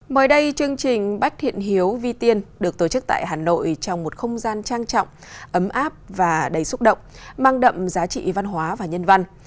mới đây chương trình bách thiện hiếu vi tiên được tổ chức tại hà nội trong một không gian trang trọng ấm áp và đầy xúc động mang đậm giá trị văn hóa và nhân văn